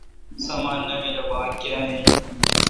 سامان نامل اؘ باگ کیااین۔